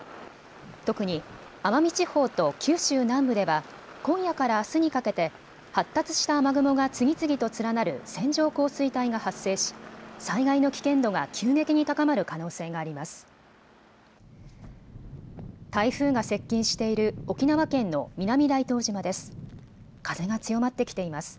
特に奄美地方と九州南部では今夜からあすにかけて発達した雨雲が次々と連なる線状降水帯が発生し、災害の危険度が急激に高まる可能性があります。